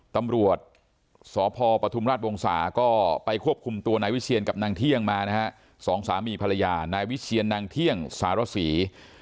ตำรวจสพปฐุมราชวงศาก็ไปควบคุมตัวนายวิเชียนกับนางเที่ยงมานะฮะสองสามีภรรยานายวิเชียนนางเที่ยงสารศรี